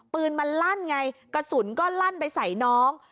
ปืนมันลั่นไงกระสุนก็ลั่นไปใส่น้อง